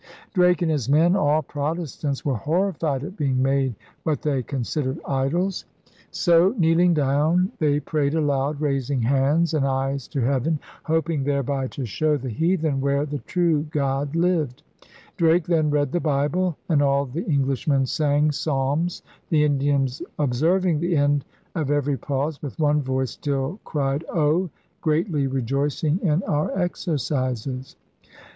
Drake and his men, all Protestants, were horrified at being made what they considered idols. So, * ENCOMPASSMENT OF ALL THE WORLDE ' 139 kneeling down, they prayed aloud, raising hands and eyes to Heaven, hoping thereby to show the heathen where the true God lived. Drake then read the Bible and all the Englishmen sang Psalms, the Indians, 'observing the end of every pause, with one voice still cried Oh! greatly re joicing in our exercises.'